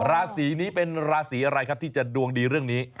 ราศีนี้เป็นราศีอะไรครับที่จะดวงดีเรื่องนี้